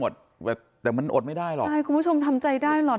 แต่มันอดไม่ได้หรอกใช่คุณผู้ชมทำใจได้หรอก